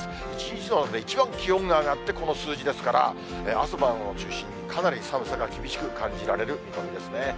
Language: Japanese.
一日の中で一番気温が上がって、この数字ですから、朝晩を中心に、かなり寒さが厳しく感じられる見込みですね。